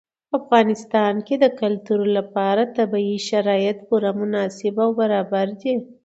په افغانستان کې د کلتور لپاره طبیعي شرایط پوره مناسب او برابر دي.